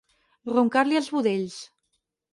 Roncar-li els budells.